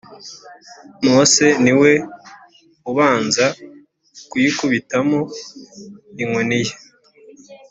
Mose ni we ubanza kuyikubitamo inkoni ye